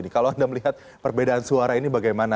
kalau anda melihat perbedaan suara ini bagaimana